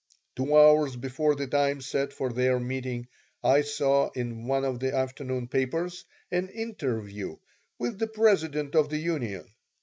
Two hours before the time set for their meeting I saw in one of the afternoon papers an interview with the president of the union.